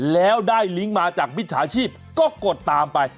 แล้วได้ลิงก์มาจากมิจฉาชีพก็กดตามไป